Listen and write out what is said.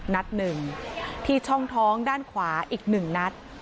นัดหนึ่งที่ช่องท้องด้านขวาอีก๑นัด